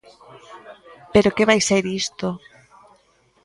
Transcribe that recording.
¡Pero que vai ser isto!